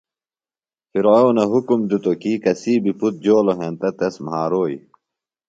فرعونہ حُکم دِتوۡ کی کسی بیۡ پُتر جولوۡ ہینتہ تس مھاروئی۔